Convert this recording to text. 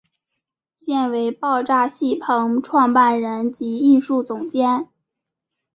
现为爆炸戏棚创办人及艺术总监。